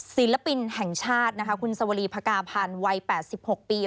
ศิลปินแห่งชาติคุณสวรีภากาภัณฑ์วัย๘๖ปี